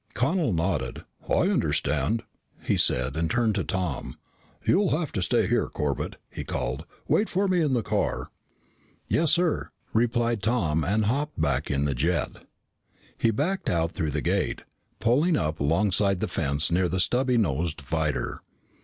Connel nodded. "I understand," he said and turned to Tom. "You'll have to stay here, Corbett," he called. "Wait for me in the car." "Yes, sir," replied Tom and hopped back in the jet. He backed out through the gate, pulling up alongside the fence near the stubby nosed freighter.